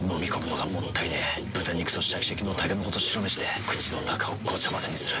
豚肉とシャキシャキのたけのこと白めしで口の中をごちゃ混ぜにする。